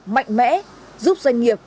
mạnh mẽ giúp doanh nghiệp